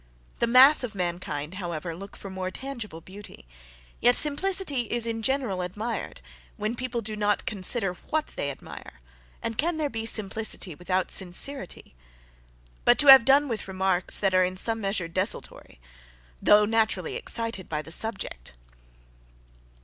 The mass of mankind, however, look for more TANGIBLE beauty; yet simplicity is, in general, admired, when people do not consider what they admire; and can there be simplicity without sincerity? but, to have done with remarks that are in some measure desultory, though naturally excited by the subject.